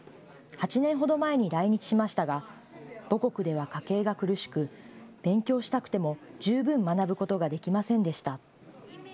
８年ほど前に来日しましたが、母国では家計が苦しく、勉強したくても十分学ぶことができませんでした。